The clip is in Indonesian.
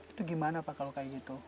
itu gimana pak kalau kayak gitu